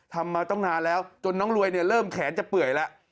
มาตั้งนานแล้วจนน้องรวยเริ่มแขนจะเปื่อยแล้ว